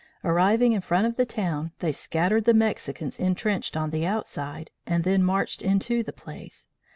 Arriving in front of the town, they scattered the Mexicans intrenched on the outside, and then marched into the place.